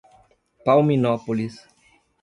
Palminópolis